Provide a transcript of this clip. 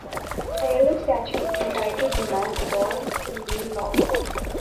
A yellow statue entitled "The Man" adorns the main lobby.